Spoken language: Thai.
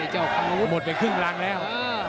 หมดไปครึ่งรังแล้ว